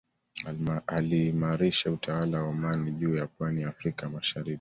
Aliimarisha utawala wa Omani juu ya pwani ya Afrika ya Mashariki